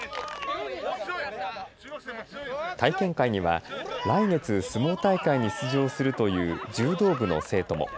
体験会には来月、相撲大会に出場するという柔道部の生徒も。